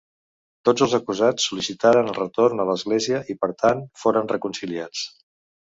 Tots els acusats sol·licitaren el retorn a l'església i, per tant, foren reconciliats.